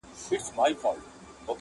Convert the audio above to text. خو چي ښه نه وي درته غلیم سي -